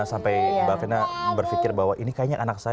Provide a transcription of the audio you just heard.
sampai mbak vena berpikir bahwa ini kayaknya anak saya